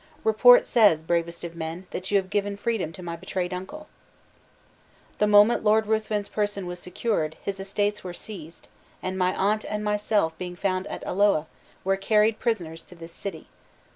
Report says, bravest of men, that you have given freedom to my betrayed uncle. "The moment Lord Ruthven's person was secured, his estates were seized, and my aunt and myself being found at Alloa, we were carried prisoners to this city.